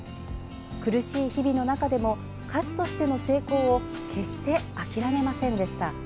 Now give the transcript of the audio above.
苦しい日々の中でも歌手としての成功を決して諦めませんでした。